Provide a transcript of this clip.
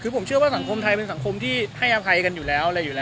ผมเชื่อว่าสังคมไทยเป็นสังคมที่ให้อภัยกันอยู่แล้ว